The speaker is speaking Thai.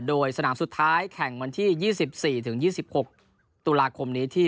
โดยสนามสุดท้ายแข่งวันที่ยี่สิบสี่ถึงยี่สิบหกตุลาคมนี้ที่